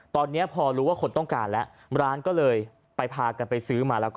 ตอนนี้พอรู้ว่าคนต้องการแล้วร้านก็เลยไปพากันไปซื้อมาแล้วก็